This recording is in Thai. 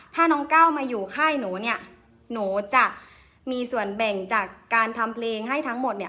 ถ้าน้องก้าวมาอยู่ค่ายหนูเนี่ยหนูจะมีส่วนแบ่งจากการทำเพลงให้ทั้งหมดเนี่ย